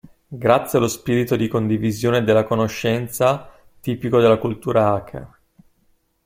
Grazie allo spirito di condivisione della conoscenza tipico della cultura hacker.